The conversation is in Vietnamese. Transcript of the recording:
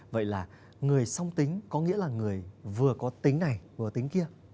vậy là người song tính có nghĩa là người vừa có tính này vừa tính kia